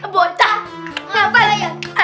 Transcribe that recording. bocang apa ya